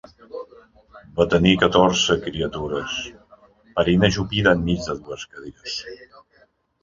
Va tenir catorze criatures, parint ajupida enmig de dues cadires.